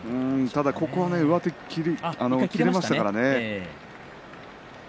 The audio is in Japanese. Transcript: ただここは１回、上手が切れましたからね。